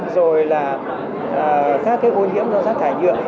rồi là các ô nhiễm do rác thải nhựa